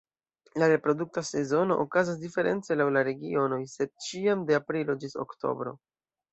La reprodukta sezono okazas diference laŭ la regionoj, sed ĉiam de aprilo ĝis oktobro.